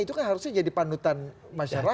itu kan harusnya jadi panutan masyarakat